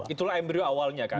itulah embryo awalnya kan